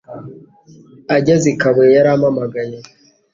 Ageze i kabuye, yarampamagaye.